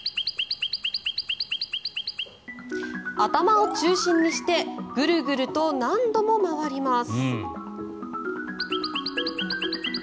頭を中心にしてぐるぐると何度も回ります。